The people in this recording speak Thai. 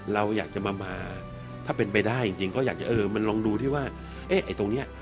เราอยากจะมาถ้าเป็นไปได้จริงก็อยากจะเออมันลองดูที่ว่าเอ๊ะไอ้ตรงนี้